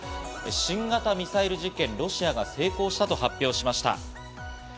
新型ミサイル実験、ロシアが成功したと発表しました。